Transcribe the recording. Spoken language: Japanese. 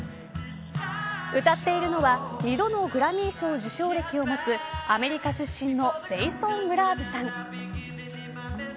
歌っているのは２度のグラミー賞受賞歴を持つアメリカ出身のジェイソン・ムラーズさん。